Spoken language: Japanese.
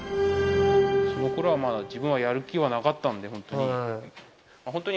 その頃はまだ自分はやる気はなかったんで、本当に。